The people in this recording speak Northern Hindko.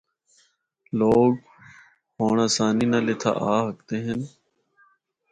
لوگ ہونڑ آسانی نال اِتھا آ ہکدے ہن۔